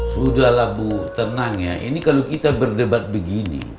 sudahlah bu tenang ya ini kalau kita berdebat begini